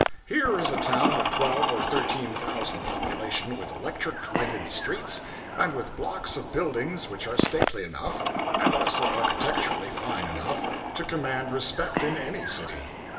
Here is a town of twelve or thirteen thousand population, with electric lighted streets, and with blocks of buildings which are stately enough, and also architecturally fine enough, to command respect in any city.